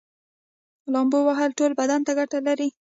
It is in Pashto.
لامبو وهل ټول بدن ته ګټه لري